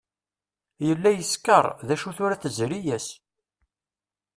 Yella yeskeṛ, d acu tura tezri-as.